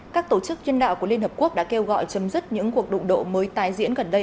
các tổ chức nhân đạo của liên hợp quốc đã kêu gọi chấm dứt những cuộc đụng độ mới tái diễn gần đây